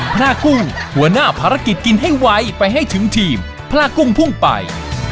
พระกุ้งหัวหน้าภารกิจกินให้ไวไปให้ถึงทีมพลากุ้งพุ่งไป